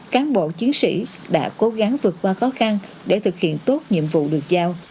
cán bộ chiến sĩ đã cố gắng vượt qua khó khăn để thực hiện tốt nhiệm vụ được giao